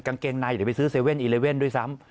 กางเกงนายอยากจะได้ไปซื้อ๗๑๑ด้วยซ้ำ